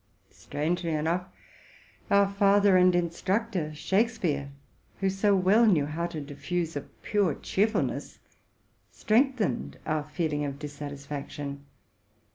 Strangely enough, our father and instruc tor, Shakspeare, who so well knew how to diffuse a pure cheer fulness, strengthened our feeling of dissatisfaction.